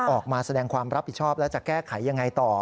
ออกมาแสดงความรับผิดชอบและจะแก้ไขยังไงต่อ